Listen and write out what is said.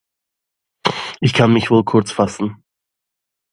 Ich kann mich wohl kurz fassen.